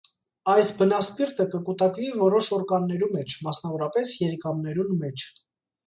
Այս բնասպիտը կը կուտակուի որոշ օրկաններու մէջ, մասնաւորապէս՝ երիկամներուն մէջ։